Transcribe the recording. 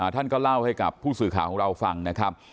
ท่านก็เล่าให้กับผู้สื่อข่าวของเราฟังนะครับ